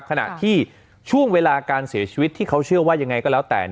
ขณะที่ช่วงเวลาการเสียชีวิตที่เขาเชื่อว่ายังไงก็แล้วแต่